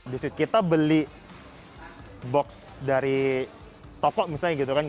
di street kita beli box dari toko misalnya